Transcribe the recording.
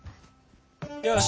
よし！